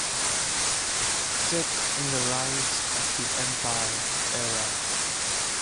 Set in the "Rise of the Empire Era".